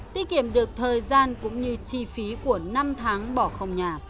tiết kiệm được thời gian cũng như chi phí của năm tháng bỏ không nhà